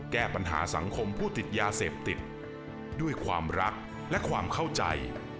แก้ปัญหาสังคมผู้ติดยาเสพติดด้วยความรักและความเข้าใจ